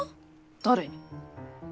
誰に？